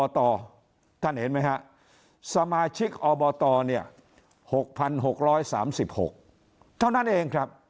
ท่านเห็นไหมครับสมาชิกอบต๖๖๓๖เท่านั้นเองครับ